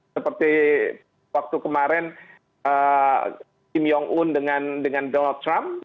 seperti waktu kemarin kim jong un dengan donald trump